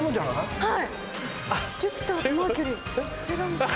はい！